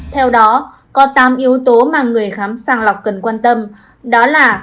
theo đó có tám yếu tố mà người khám sàng lọc cần quan tâm đó là